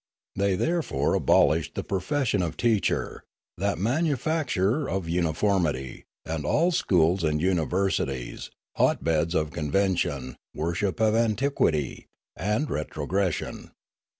They there fore abolished the profession of teacher, that manufac turer of uniformity, and all schools and universities, hot beds of convention, worship of antiquity, and retrogression.